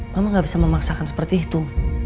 mama gak bisa memaksakan seperti itu